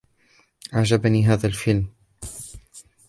أعجبني هذا الفيلم.